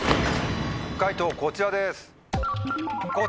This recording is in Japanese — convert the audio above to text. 解答こちらです。